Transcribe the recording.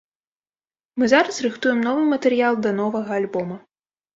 Мы зараз рыхтуем новы матэрыял да новага альбома.